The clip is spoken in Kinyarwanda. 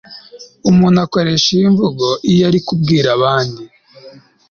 umuntu akoresha iyi mvugo iyo arimo kubwira abandi